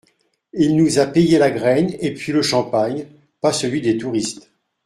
Il nous a payé la graine et pis le champagne, pas celui des touristes